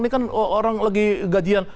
ini kan orang lagi gajian